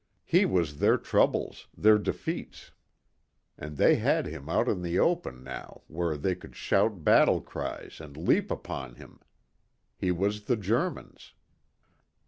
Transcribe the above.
He was their troubles their defeats. And they had him out in the open now where they could shout battle cries and leap upon him. He was the Germans.